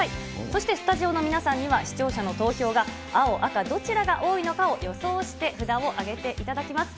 そしてスタジオの皆さんには視聴者の投票が青、赤どちらが多いのかを予想して札を上げていただきます。